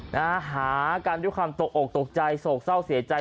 นะฮะหากันด้วยความตกอกตกใจโศกเศร้าเสียใจ